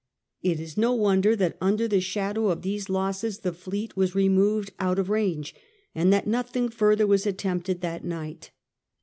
It is no wonder that under the shadow of these losses the fleet was removed out of range, and that nothing further was attempted that night.